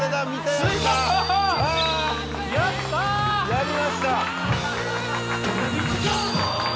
やりました